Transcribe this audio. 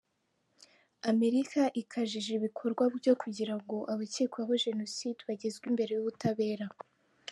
Amerika ikajije ibikorwa byo kugira ngo abakekwaho Jenoside bagezwe imbere y’ubutabera.